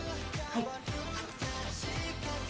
はい。